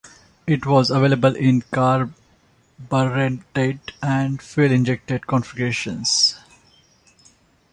It was available in carbureted and fuel-injected configurations.